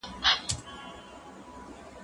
لرګي راوړه،